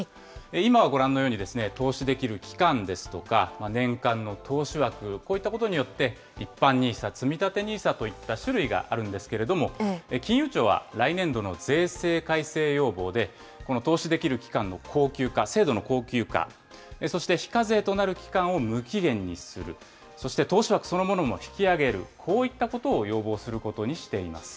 今はご覧のように、投資できる期間ですとか、年間の投資枠、こういったことによって、一般ＮＩＳＡ、つみたてＮＩＳＡといった種類があるんですけれども、金融庁は来年度の税制改正要望で、この投資できる期間を恒久化、制度の恒久化、そして、非課税となる期間を無期限にする、そして投資枠そのものも引き上げる、こういったことを要望することにしています。